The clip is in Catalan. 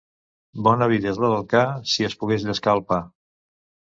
Bona vida és la del ca, si es pogués llescar el pa.